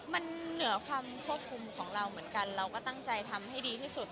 มันเหนือความควบคุมของเราเหมือนกันเราก็ตั้งใจทำให้ดีที่สุด